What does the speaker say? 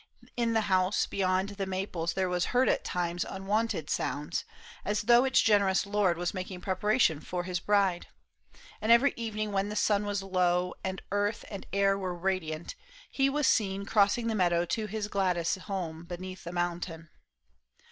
In the house Beyond the maples there was heard at times Unwonted sounds, as though its generous lord Was making preparation for his bride ; And every evening when the sun was low And earth and air were radiant, he was seen Crossing the meadow to his Gladys' home Beneath the mountain.